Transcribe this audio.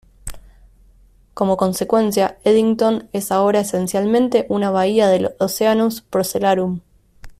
Como consecuencia, Eddington es ahora esencialmente una bahía del Oceanus Procellarum.